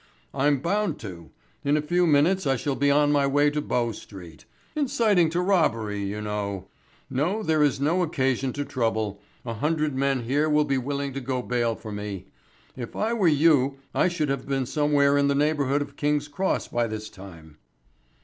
"I'm bound to. In a few minutes I shall be on my way to Bow Street. Inciting to robbery, you know. No, there is no occasion to trouble a hundred men here will be willing to go bail for me. If I were you I should have been somewhere in the neighbourhood of King's Cross by this time."